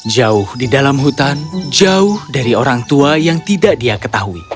jauh di dalam hutan jauh dari orang tua yang tidak dia ketahui